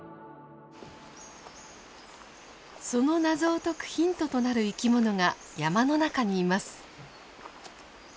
その謎を解くヒントとなる生き物が山の中にいます。